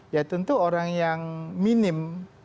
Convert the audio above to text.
ya tentu orang yang minim